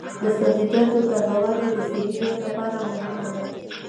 د سبزیجاتو تازه والي د صحي ژوند لپاره مهمه ده.